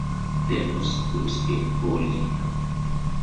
There are no schools in Bollier.